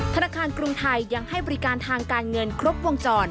ธนาคารกรุงไทยยังให้บริการทางการเงินครบวงจร